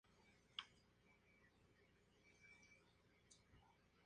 Es un pez de clima subtropical y demersal.